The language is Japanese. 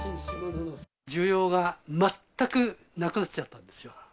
需要が全くなくなっちゃったんですよ。